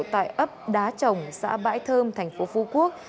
tại ấp đá trồng xã bãi thơm tp phú quốc